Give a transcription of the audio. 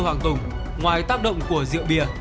hoàng tùng ngoài tác động của rượu bia